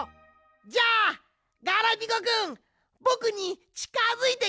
じゃあガラピコくんぼくにちかづいてきて！